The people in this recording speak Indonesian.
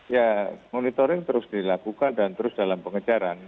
ya monitoring terus dilakukan dan terus dalam pengejaran